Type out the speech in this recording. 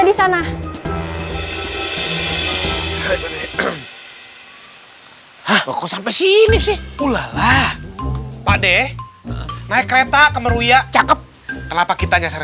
di sana kok sampai sini sih pula lah pak deh naik kereta ke meruya cakep kenapa kita nyasar